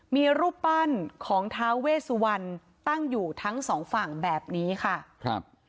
มีรูปปั้นของท้าเวสวันตั้งอยู่ทั้งสองฝั่งแบบนี้ค่ะครับ